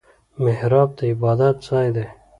محراب د عبادت ځای دی